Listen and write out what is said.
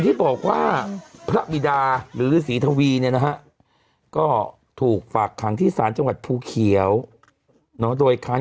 ถ้ามีดาวไม่รู้ว่านางคนแล้วใช่มั้ย